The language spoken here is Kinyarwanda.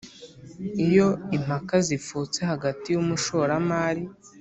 Iyo impaka zivutse hagati y umushoramari